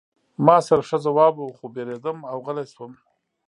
ما سره ښه ځواب و خو ووېرېدم او غلی شوم